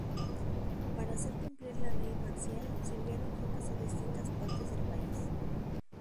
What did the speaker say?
Para hacer cumplir la ley marcial se enviaron tropas a distintas partes del país.